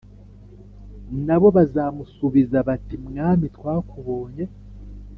Na bo bazamusubiza bati “Mwami twakubonye”